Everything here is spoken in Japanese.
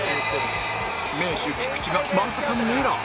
名手菊池がまさかのエラー